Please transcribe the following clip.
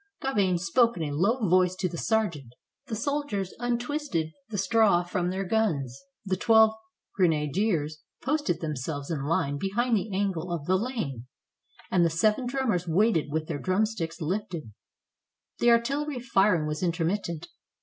Gauvain spoke in a low voice to the sergeant; the soldiers untwisted the straw from their guns; the twelve grenadiers posted themselves in line behind the angle of the lane, and the seven drummers waited with their drumsticks lifted. The artillery firing was intermittent.